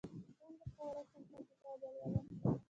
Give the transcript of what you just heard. څنګه کولی شم ښه کتاب ولولم